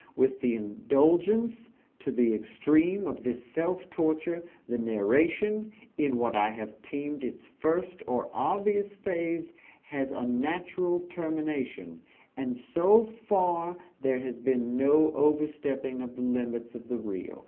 With the indulgence, to the extreme, of this self torture, the narration, in what I have termed its first or obvious phase, has a natural termination, and so far there has been no overstepping of the limits of the real.